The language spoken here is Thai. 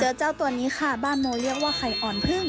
เจ้าตัวนี้ค่ะบ้านโมเรียกว่าไข่อ่อนพึ่ง